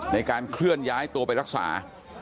ในการเคลื่อนย้ายตัวไปรักษา